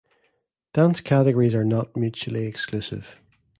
Dance categories are not mutually exclusive.